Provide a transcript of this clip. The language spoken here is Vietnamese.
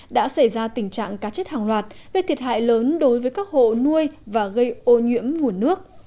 đã xảy ra tình trạng cá chết hàng loạt gây thiệt hại lớn đối với các hộ nuôi và gây ô nhiễm nguồn nước